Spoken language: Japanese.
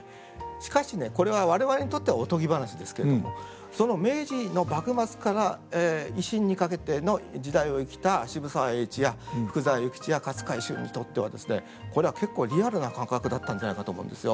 しかしねこれは我々にとってはおとぎ話ですけれどもその明治の幕末から維新にかけての時代を生きた渋沢栄一や福沢諭吉や勝海舟にとってはですねこれは結構リアルな感覚だったんじゃないかと思うんですよ。